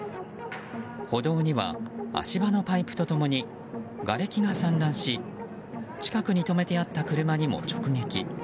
歩道には足場のパイプと共にがれきが散乱し近くに止めてあった車にも直撃。